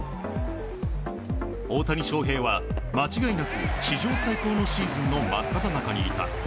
大谷翔平は史上最高のシーズンの真っただ中にいた。